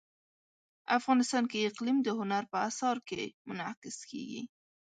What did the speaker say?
افغانستان کې اقلیم د هنر په اثار کې منعکس کېږي.